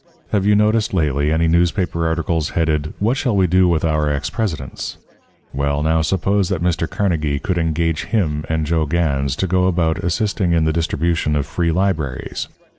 Have you noticed lately any newspaper articles headed, "What Shall We Do With Our Ex Presidents?" Well, now, suppose that Mr. Carnegie could engage him and Joe Gans to go about assisting in the distribution of free libraries?